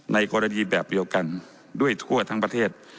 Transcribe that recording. ในกรณีแบบเดียวกันด้วยทั่วทั้งประเทศ